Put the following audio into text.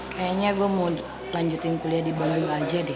kayaknya gue mau lanjutin kuliah di bandung aja deh